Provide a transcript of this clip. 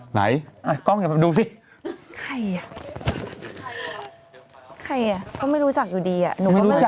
ไหนก้องอยากมาดูซิไม่รู้จักยังไม่รู้จัก